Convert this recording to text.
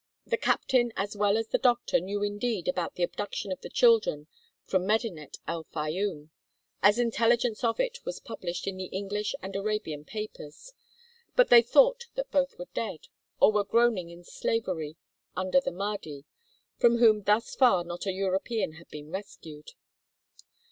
The captain as well as the doctor knew indeed about the abduction of the children from Medinet el Fayûm, as intelligence of it was published in the English and Arabian papers, but they thought that both were dead or were groaning in slavery under the Mahdi, from whom thus far not a European had been rescued.